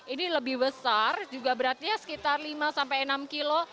ini lebih besar juga beratnya sekitar lima sampai enam kg